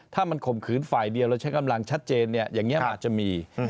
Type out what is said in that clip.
ถ้ามันข่มขืนฝ่ายเดียวแล้วใช้กำลังชัดเจนอย่างนี้มันอาจจะมี